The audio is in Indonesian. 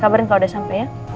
kabar kalau udah sampai ya